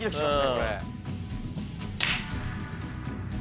これ。